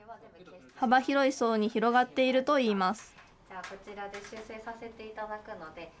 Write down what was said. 幅広い層に広がっているといいます。